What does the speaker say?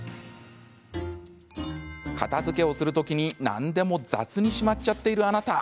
片づけをする時に何でも雑にしまっちゃってるあなた！